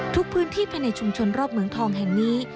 ทุกพื้นที่ภายในชุมชนรอบเหมืองทองแห่งนี้